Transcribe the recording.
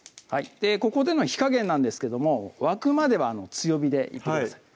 ここでの火加減なんですけども沸くまでは強火でいってください